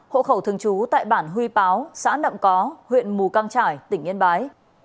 hộ khẩu thường trú tại bản huy báo xã nậm có huyện mù căng trải tỉnh yên bái